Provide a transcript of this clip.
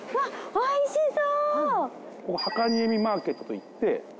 おいしそう。